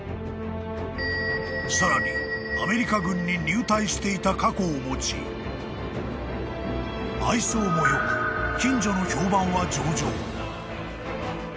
［さらにアメリカ軍に入隊していた過去を持ち愛想も良く近所の評判は上々］